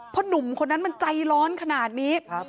เพราะหนุ่มคนนั้นมันใจร้อนขนาดนี้